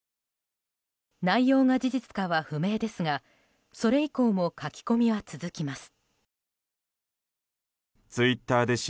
内容が事実かは不明ですがそれ以降も書き込みは続きます。